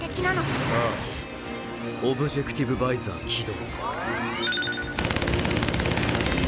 ああオブジェクティブバイザー起動。